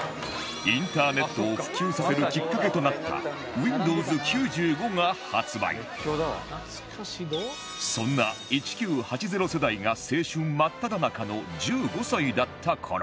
インターネットを普及させるきっかけとなったそんな１９８０世代が青春真っただ中の１５歳だった頃